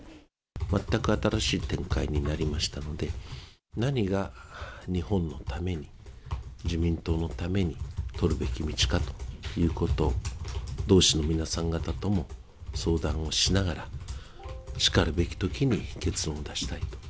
全く新しい展開になりましたので、何が日本のために、自民党のために、取るべき道かということを、同志の皆さん方とも相談をしながら、しかるべきときに結論を出したいと。